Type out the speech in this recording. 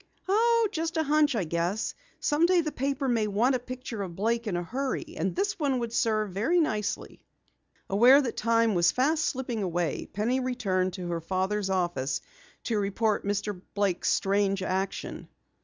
"Oh, just a hunch, I guess. Someday the paper may want a picture of Blake in a hurry, and this one would serve very nicely." Aware that time was fast slipping away, Penny returned to her father's office to report Mr. Blake's strange action. Mr.